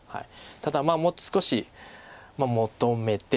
ただもう少し求めて。